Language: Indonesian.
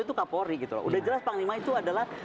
itu kapolri gitu loh udah jelas panglima itu adalah